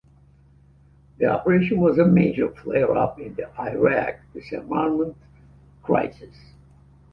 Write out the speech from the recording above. The operation was a major flare-up in the Iraq disarmament crisis.